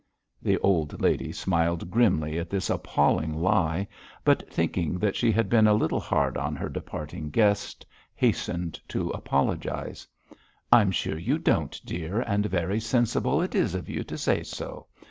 The old lady smiled grimly at this appalling lie, but thinking that she had been a little hard on her departing guest, hastened to apologise. 'I'm sure you don't, dear, and very sensible it is of you to say so.